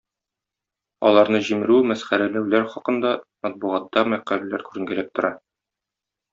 Аларны җимерү, мәсхәрәләүләр хакында матбугатта мәкаләләр күренгәләп тора.